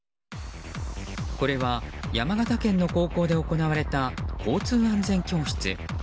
これは、山形県の高校で行われた交通安全教室。